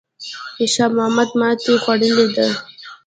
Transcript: شاه محمود ماته خوړلې ده.